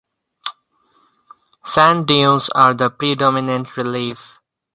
Sand dunes are the predominant relief.